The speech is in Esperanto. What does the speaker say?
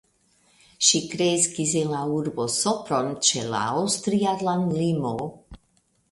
Ŝi kreskis en la urbo Sopron ĉe la aŭstria landlimo.